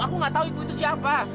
aku gak tahu ibu itu siapa